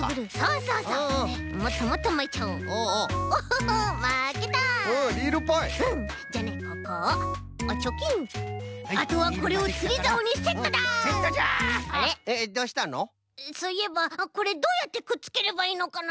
そういえばこれどうやってくっつければいいのかな？